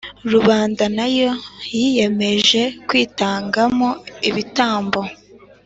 rubanda nayo yiyemeje kwitanga mo ibitambo.